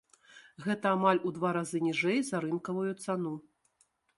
Гэта амаль у два разы ніжэй за рынкавую цану.